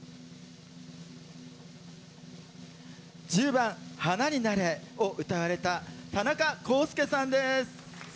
１０番「花になれ」を歌われた田中功介さんです。